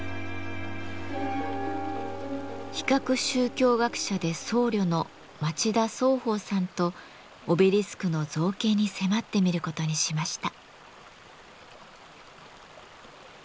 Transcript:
比較宗教学者で僧侶の町田宗鳳さんとオベリスクの造形に迫ってみることにしました。